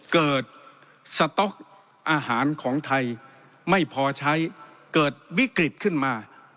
เกิดสต๊อกอาหารของไทยไม่พอใช้เกิดวิกฤตขึ้นมา